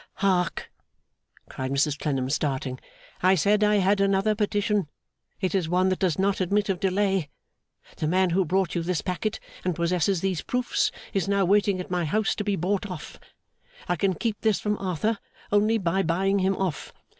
'Hark!' cried Mrs Clennam starting, 'I said I had another petition. It is one that does not admit of delay. The man who brought you this packet and possesses these proofs, is now waiting at my house to be bought off. I can keep this from Arthur, only by buying him off.